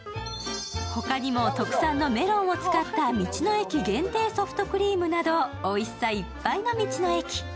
他にも特産のメロンを使った道の駅限定ソフトクリームなど、おいしさいっぱいの道の駅。